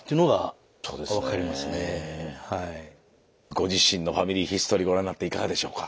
ご自身の「ファミリーヒストリー」ご覧になっていかがでしょうか。